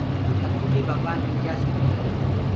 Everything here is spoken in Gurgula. تڪو بي ڀگوآن مِلجآسيٚ تو